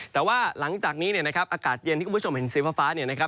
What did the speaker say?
แต่ว่าหลังจากนี้อากาศเย็นที่คุณผู้ชมเห็นเสียฟ้า